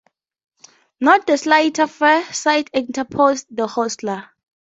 ‘Not the slightest fear, Sir,’ interposed the hostler.